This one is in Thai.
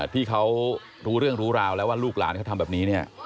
ที่เขารู้เรื่องรู้ราวแล้วว่าลูกหลานเขาทำแบบนี้เนี่ย